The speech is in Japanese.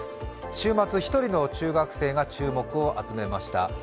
週末１人の中学生が注目を集めました。